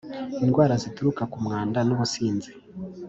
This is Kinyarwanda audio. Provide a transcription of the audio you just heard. indwara zituruka ku mwanda n ubusinzi